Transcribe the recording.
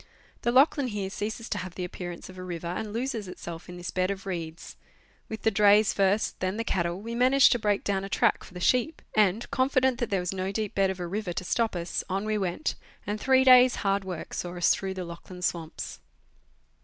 The Lachlan here ceases to have the appear ance of a river, and loses itself in this bed of reeds ; with the drays first, then the cattle, we managed to break down a track for the sheep, and, confident that there was no deep bed of a river to stop us, on we 'went, and three days' hard work saw us through the Lachlau swamps.